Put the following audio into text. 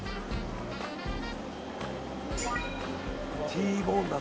Ｔボーンだ。